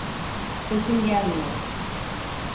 Sesin gelmiyor.